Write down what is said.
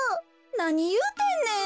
なにいうてんねん。